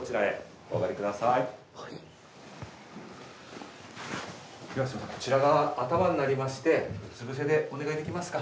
お客様こちらが頭になりましてうつ伏せでお願いできますか？